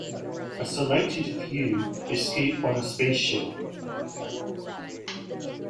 A selected few escape on a spaceship.